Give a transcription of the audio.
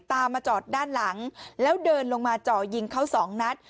มาจอดด้านหลังแล้วเดินลงมาจ่อยิงเขาสองนัด